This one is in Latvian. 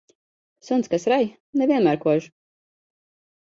Suns, kas rej, ne vienmēr nekož.